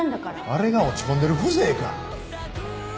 あれが落ち込んでる風情か。